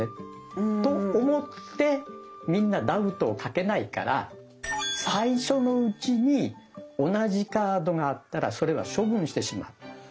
うん。と思ってみんなダウトをかけないから最初のうちに同じカードがあったらそれは処分してしまう。